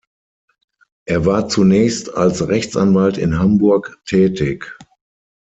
Er war zunächst als Rechtsanwalt in Hamburg tätig.